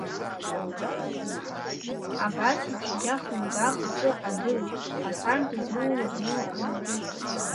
Абасеиԥш егьа хлымӡаах ртәы адыруеит Ҳасан дызныланы днеиуа амҩаду.